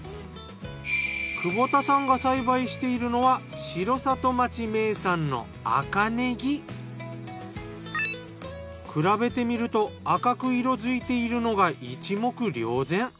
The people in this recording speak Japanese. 久保田さんが栽培しているのは城里町比べてみると赤く色づいているのが一目瞭然。